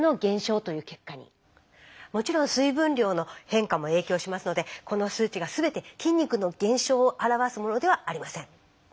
もちろん水分量の変化も影響しますのでこの数値が全て筋肉の減少を表すものではありません。